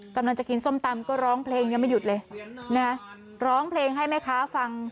กำลังจะกินส้มตำก็ร้องเพลงยังไม่หยุดเลยนะร้องเพลงให้แม่ค้าฟัง